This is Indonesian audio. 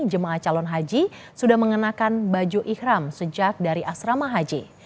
jemaah calon haji sudah mengenakan baju ikhram sejak dari asrama haji